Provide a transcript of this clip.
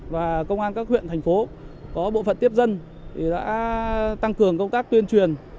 và công an các huyện thành phố có bộ phận tiếp dân đã tăng cường công tác tuyên truyền